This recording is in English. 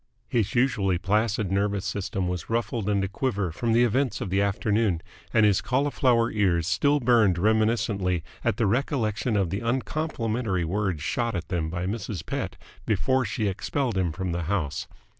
His usually placid nervous system was ruffled and a quiver from the events of the afternoon, and his cauliflower ears still burned reminiscently at the recollection of the uncomplimentary words shot at them by Mrs. Pett before she expelled him from the house.